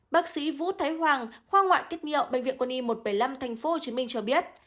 bác sĩ vũ thái hoàng khoa ngoại kích nhợ bệnh viện quân y một trăm bảy mươi năm tp hcm cho biết